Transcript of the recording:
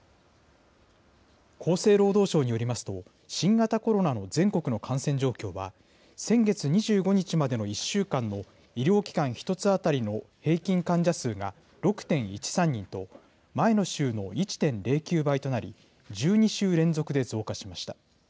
厚生労働省によりますと、新型コロナの全国の感染状況は、先月２５日までの１週間の医療機関１つ当たりの平均患者数が６．１３人と、前の週の１．０９倍となり、１２週連続で増加しました。